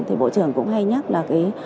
thì bộ trưởng cũng hay nhắc là